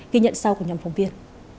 ghi nhận sau của nhóm phóng viên